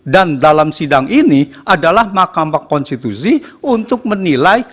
dan dalam sidang ini adalah mahkamah konstitusi untuk menilai